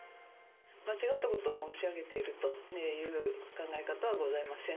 間違ったことを申し上げているという考え方はございません。